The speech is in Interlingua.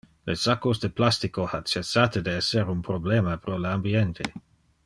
Le saccos de plastica ha cessate de ser un problema pro le ambiente.